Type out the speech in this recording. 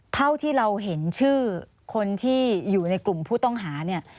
เท่าที่เราเห็นชื่อคนที่อยู่ในกลุ่มผู้ต้องหาเนี่ย